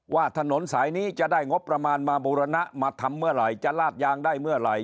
ว่าถนนสายนี้จะได้งบประมาณมาบูรณะมาทำเมื่อไหร่จะลาดยางได้เมื่อไหร่